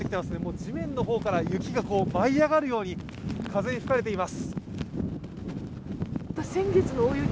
地面の方から雪が舞い上がるように風に吹かれています。